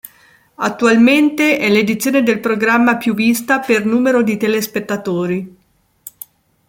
Attualmente è l'edizione del programma più vista per numero di telespettatori.